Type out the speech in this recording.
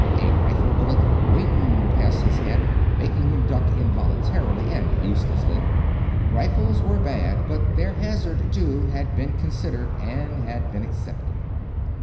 A rifle bullet w h i n g e d past his head, making him duck involuntarily and uselessly. Rifles were bad; but their hazard, too, had been considered and had been accepted.